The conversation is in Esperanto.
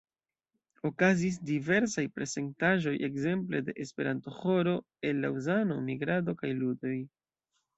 Okazis diversaj prezentaĵoj ekzemple de esperanto-ĥoro el Laŭzano, migrado kaj ludoj.